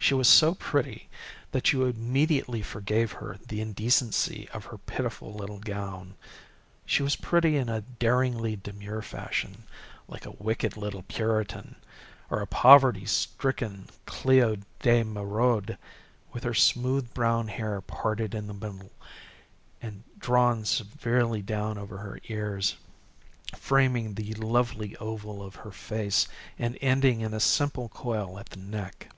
She was so pretty that you immediately forgave her the indecency of her pitiful little gown. She was pretty in a daringly demure fashion, like a wicked little Puritan, or a poverty stricken Cleo de Merode, with her smooth brown hair parted in the middle, drawn severely down over her ears, framing the lovely oval of her face and ending in a simple coil at the neck.